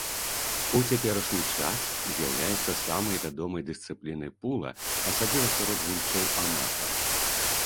У цяперашні час з'яўляецца самай вядомай дысцыплінай пула, асабліва сярод гульцоў-аматараў.